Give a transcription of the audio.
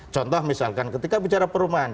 contoh misalkan ketika bicara perumahan